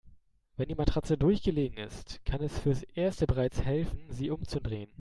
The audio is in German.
Wenn die Matratze durchgelegen ist, kann es fürs Erste bereits helfen, sie umzudrehen.